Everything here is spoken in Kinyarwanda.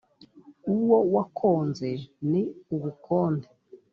uwo wakonze ni ubukonde